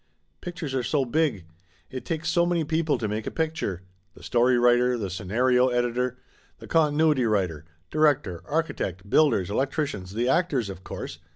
Pictures are so big. It takes so many people to make a picture. The story writer, the scenario editor, the continuity writer, direc tor, architect, builders, electricians, the actors of course.